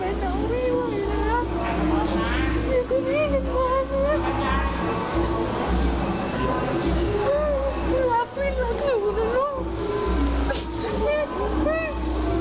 น้อง